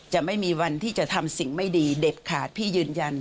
จะไม่มีวันที่จะทำสิ่งไม่ดีเด็ดขาดพี่ยืนยัน